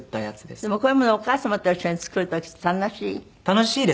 でもこういうものをお母様と一緒に作る時楽しい？